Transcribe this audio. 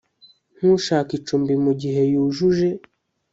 nk ushaka icumbi mu gihe yujuje